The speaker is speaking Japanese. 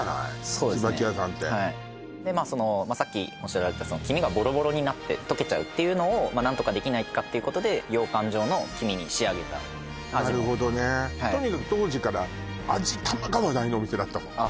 そうですねちばき屋さんってでさっきおっしゃられた黄身がボロボロになってとけちゃうっていうのを何とかできないかっていうことで羊羹状の黄身に仕上げたなるほどねとにかく当時から味玉が話題のお店だったもんあ